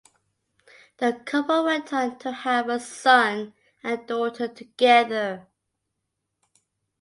The couple went on to have a son and daughter together.